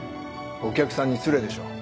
お客さんに失礼でしょ。